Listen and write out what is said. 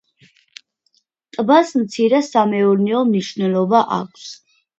ტბას მცირე სამეურნეო მნიშვნელობა აქვს.